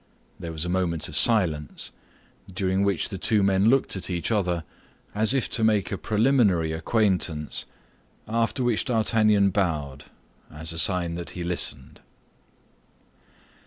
There was a moment of silence, during which the two men looked at each other, as if to make a preliminary acquaintance, after which D'Artagnan bowed, as a sign that he listened.